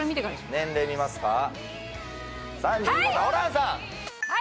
年齢見ますかはい！